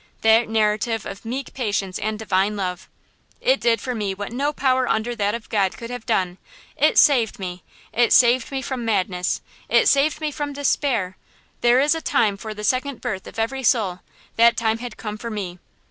That narrative of meek patience and divine love. It did for me what no power under that of God could have done. It saved me! It saved me from madness! It saved me from despair! There is a time for the second birth of every soul; that time had come for me.